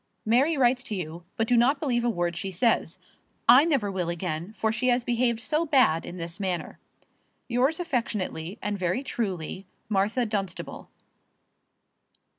Mary writes to you; but do not believe a word she says. I never will again, for she has behaved so bad in this matter. Yours affectionately and very truly, MARTHA DUNSTABLE.